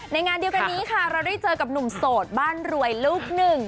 งานเดียวกันนี้ค่ะเราได้เจอกับหนุ่มโสดบ้านรวยลูกหนึ่ง